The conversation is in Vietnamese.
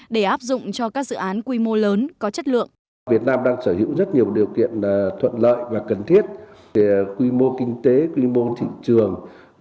để áp dụng cho các dự án quy mô lớn có chất lượng